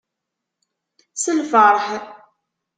S lfeṛḥ.